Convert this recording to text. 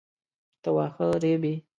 ته واخه ریبې؟